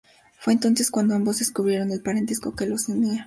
Fue entonces cuando ambos descubrieron el parentesco que les unía.